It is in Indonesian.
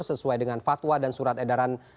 sesuai dengan fatwa dan surat edaran